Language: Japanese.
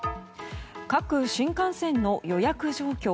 各新幹線の予約状況